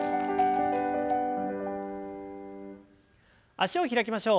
脚を開きましょう。